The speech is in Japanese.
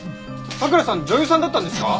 佐倉さん女優さんだったんですか？